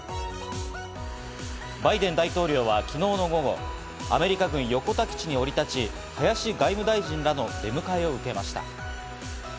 バイデン大統領は昨日の午後、アメリカ軍横田基地に降り立ち、林外務大臣らの出迎えを受けました。